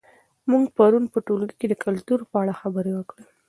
موږ پرون په ټولګي کې د کلتور په اړه خبرې وکړې.